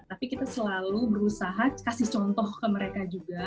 tapi kita selalu berusaha kasih contoh ke mereka juga